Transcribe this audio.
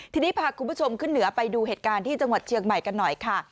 ทีนี้พาคุณผู้ชมขึ้นเหนือไปดูเหตุการณ์ที่จังหวัดเชียงใหม่กันหน่อยค่ะ